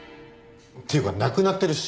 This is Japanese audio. っていうか亡くなってるし。